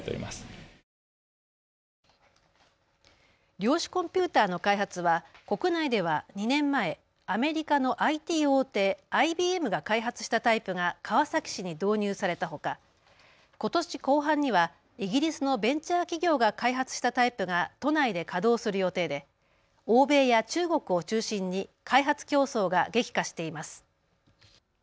量子コンピューターの開発は国内では２年前、アメリカのＩＴ大手、ＩＢＭが開発したタイプが川崎市に導入されたほか、ことし後半にはイギリスのベンチャー企業が開発したタイプが都内で稼働する予定で欧米や中国を中心に開発競争が激化しています。